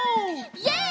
イエイ！